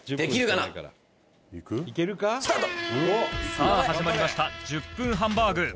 「さあ始まりました１０分ハンバーグ」